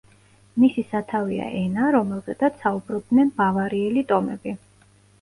მისი სათავეა ენა, რომელზედაც საუბრობდნენ ბავარიელი ტომები.